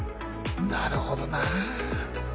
なるほどな。